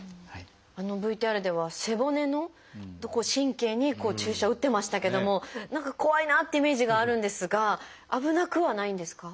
あのＶＴＲでは背骨のとこ神経に注射を打ってましたけども何か怖いなってイメージがあるんですが危なくはないんですか？